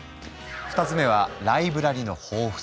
２つ目はライブラリの豊富さ。